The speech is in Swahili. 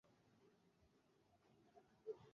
Hii ilianzishwa mnamo tarehe moja mwezi wa pili